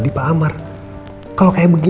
dia bisa berpindah kembali